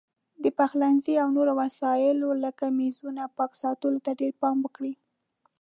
د پخلنځي او نورو وسایلو لکه میزونو پاک ساتلو ته ډېر پام وکړئ.